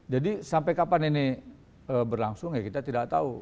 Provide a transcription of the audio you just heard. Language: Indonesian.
jadi sampai kapan ini berlangsung ya kita tidak tahu